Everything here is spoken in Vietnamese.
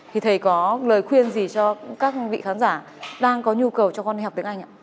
thì thầy có lời khuyên gì cho các vị khán giả đang có nhu cầu cho con đi học tiếng anh ạ